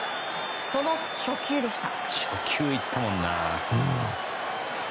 その初球でした。